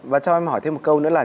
và cho em hỏi thêm một câu nữa là